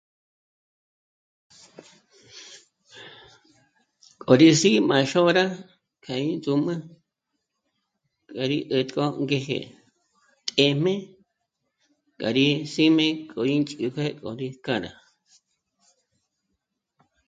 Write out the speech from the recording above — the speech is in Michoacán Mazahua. K'o rí sí'i má xôra k'a ín ndzǔm'ü. k'a rí 'ä̀t'gö ngéje t'ěm'e k'a rí sí'me k'o ín chípje k'o rí k'âra